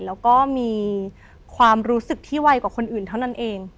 แล้วก็มีความรู้สึกที่ไวกว่าคนอื่นเท่านั้นเอง